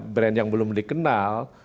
brand yang belum dikenal